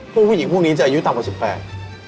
ผู้หญิงพวกนี้จะอายุต่ำกว่าสิบแปด